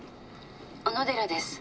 「小野寺です」